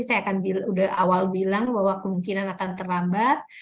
saya akan awal bilang bahwa kemungkinan akan terlambat